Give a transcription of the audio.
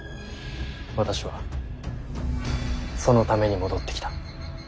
私はそのために戻ってきた。